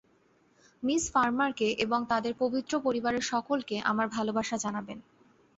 Miss ফার্মারকে এবং তাঁদের পবিত্র পরিবারের সকলকে আমার ভালবাসা জানাবেন।